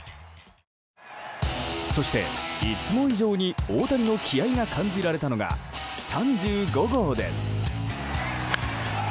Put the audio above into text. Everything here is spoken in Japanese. そして、いつも以上に大谷の気合が感じられたのが３５号です。